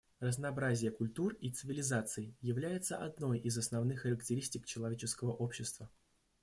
Разнообразие культур и цивилизаций является одной из основных характеристик человеческого общества.